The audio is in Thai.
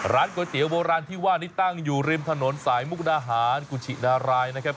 ก๋วยเตี๋ยโบราณที่ว่านี้ตั้งอยู่ริมถนนสายมุกดาหารกุชินารายนะครับ